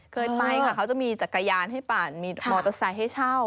เคยไปค่ะเขาจะมีจักรยานให้ปั่นมีมอเตอร์ไซค์ให้เช่า